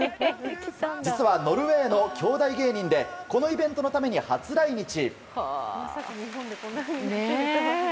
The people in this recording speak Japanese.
実はノルウェーの兄弟芸人でこのイベントのために初来日。